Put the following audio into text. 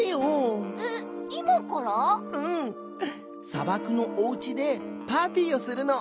さばくのおうちでパーティーをするの。